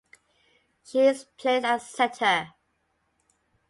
She is plays as setter.